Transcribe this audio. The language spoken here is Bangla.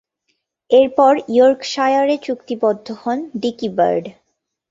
এরপর ইয়র্কশায়ারে চুক্তিবদ্ধ হন ডিকি বার্ড।